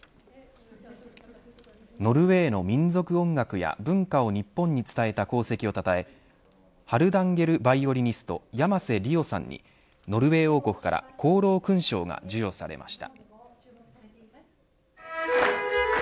ノルウェーの民俗音楽や文化を日本に伝えた功績をたたえハルダンゲルヴァイオリニスト山瀬理桜さんにノルウェー王国から功労勲章が授与されました。